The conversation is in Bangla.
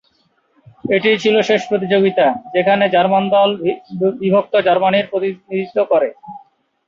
এটিই ছিল শেষ প্রতিযোগিতা, যেখানে জার্মান দল বিভক্ত জার্মানির প্রতিনিধিত্ব করে।